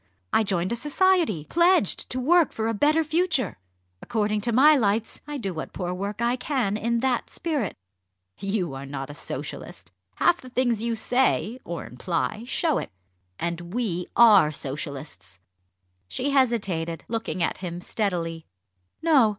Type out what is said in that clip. I joined a society, pledged to work 'for a better future.' According to my lights, I do what poor work I can in that spirit." "You are not a Socialist. Half the things you say, or imply, show it. And we are Socialists." She hesitated, looking at him steadily. "No!